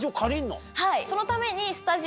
はい。